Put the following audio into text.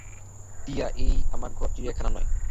টিয়া, এটা আমার ঘর, চিড়িয়াখানা নয়।